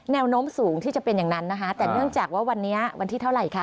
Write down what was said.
แนวโน้มสูงที่จะเป็นอย่างนั้นนะคะแต่เนื่องจากว่าวันนี้วันที่เท่าไหร่คะ